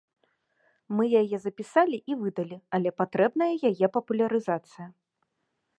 Мы яе запісалі і выдалі, але патрэбная яе папулярызацыя.